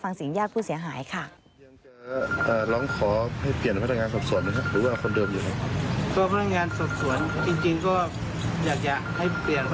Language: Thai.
ฟังสิงหญาผู้เสียหายค่ะ